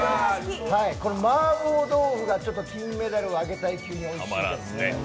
麻婆豆腐が金メダルをあげたい級においしいです。